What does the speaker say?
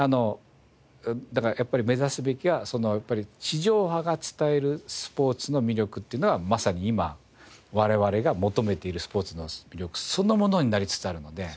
やっぱり目指すべきは地上波が伝えるスポーツの魅力っていうのはまさに今我々が求めているスポーツの魅力そのものになりつつあるので。